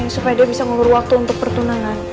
supaya dia bisa memberi waktu untuk pertunangan